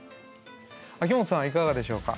秋元さんはいかがでしょうか？